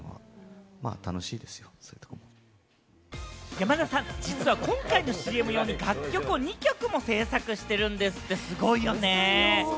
山田さん、実は今回のＣＭ用に楽曲を２曲も制作してるんですって、すごいよね。